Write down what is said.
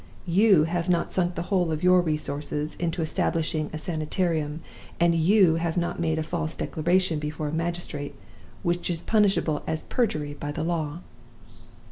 You have not sunk the whole of your resources in establishing a Sanitarium; and you have not made a false declaration before a magistrate, which is punishable as perjury by the law.